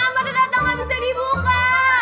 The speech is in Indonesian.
mata tata gak bisa dibuka